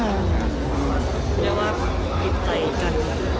เรียกว่าผิดใจกัน